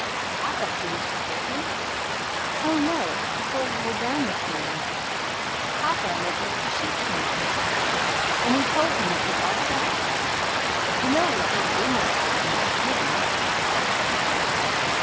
"Papa, didn't you hear him? Oh, no! it was before you were down this morning. Papa met Mr. Sheepshanks yesterday, and he told him it was all settled: you know we heard a rumour about it in the spring!"